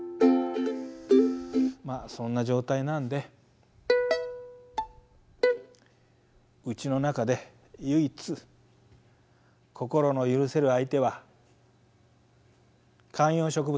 まあそんな状態なんでうちの中で唯一心の許せる相手は観葉植物です。